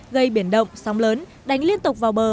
gây biển động sóng lớn đánh liên tục vào bờ